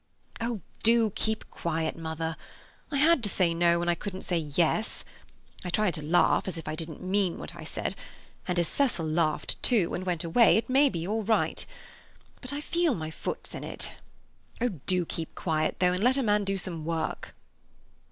"Oh, do keep quiet, mother! I had to say no when I couldn't say yes. I tried to laugh as if I didn't mean what I said, and, as Cecil laughed too, and went away, it may be all right. But I feel my foot's in it. Oh, do keep quiet, though, and let a man do some work."